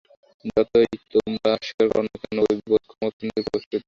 যতই তোমরা অস্বীকার কর না কেন, ঐ বোধ ক্রমাগত নিজেকে প্রকাশ করিতেছে।